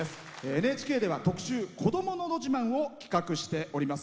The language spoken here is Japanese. ＮＨＫでは特集「こどものど自慢」を企画しております。